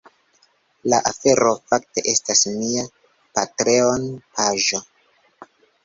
La afero fakte estas mia Patreon paĝo